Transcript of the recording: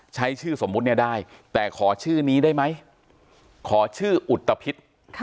ใช้ชื่อสมมุติเนี่ยได้แต่ขอชื่อนี้ได้ไหมขอชื่ออุตภิษ